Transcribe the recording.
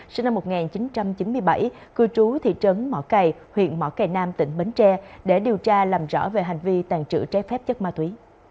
sinh năm một nghìn chín trăm chín mươi bảy cư trú thị trấn mỏ cầy huyện mỏ cầy nam tỉnh bến tre để điều tra làm rõ về hành vi tàn trữ trái phép chất ma túy